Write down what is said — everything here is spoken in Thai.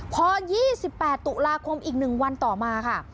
พอ๒๘ตุลาคมอีก๑วันต่อมาค่ะ